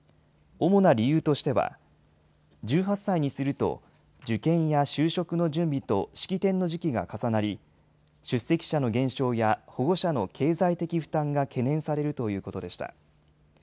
主な理由としては、１８歳にすると受験や就職の準備と式典の時期が重なり、出席者の減少や保護者の経済的負担が懸念されるということでした。